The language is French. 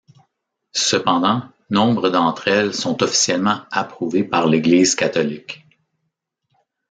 Cependant, nombre d'entre elles sont officiellement approuvées par l'Église catholique.